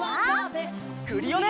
クリオネ！